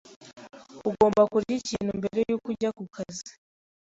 Ugomba kurya ikintu mbere yuko ujya kukazi.